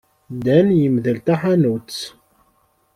Dan yemdel taḥanut.